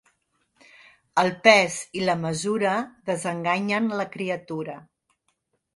El pes i la mesura desenganyen la criatura.